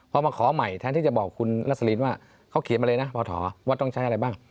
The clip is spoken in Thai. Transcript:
พอมาขอใหม่แทนที่จะบอกคุณรัสลินว่าเขาเขียนมาเลยนะพอถอว่าต้องใช้อะไรบ้าง